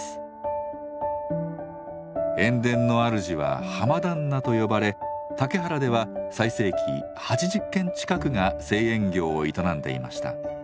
塩田の主は浜旦那と呼ばれ竹原では最盛期８０軒近くが製塩業を営んでいました。